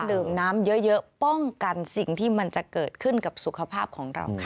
ดื่มน้ำเยอะป้องกันสิ่งที่มันจะเกิดขึ้นกับสุขภาพของเราค่ะ